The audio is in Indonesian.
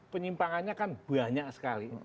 penyimpangannya kan banyak sekali